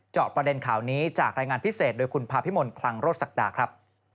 ประเด็นข่าวนี้จากรายงานพิเศษโดยคุณภาพิมลคลังรถศักดาครับ